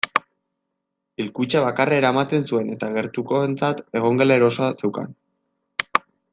Hilkutxa bakarra eramaten zuen eta gertukoentzat egongela erosoa zeukan.